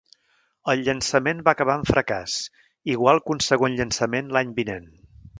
El llançament va acabar en fracàs, igual que un segon llançament l'any vinent.